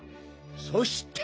そして。